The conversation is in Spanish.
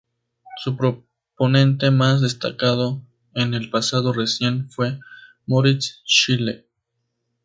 Su proponente más destacado, en el pasado reciente, fue Moritz Schlick.